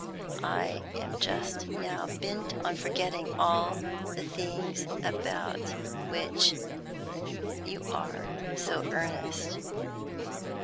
I am just now bent on forgetting all the things about which you are so earnest."